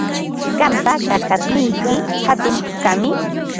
Qampa kakashniyki hatun pukami.